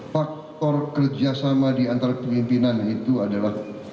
faktor kerjasama diantara pemimpinan itu adalah